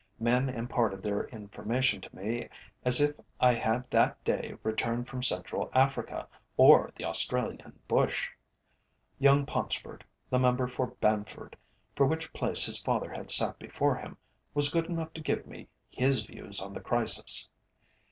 Men imparted their information to me as if I had that day returned from Central Africa or the Australian Bush. Young Paunceford, the member for Banford, for which place his father had sat before him, was good enough to give me his views on the Crisis.